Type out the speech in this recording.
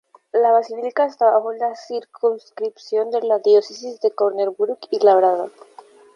La basílica está bajo la circunscripción de la Diócesis de Corner Brook y Labrador.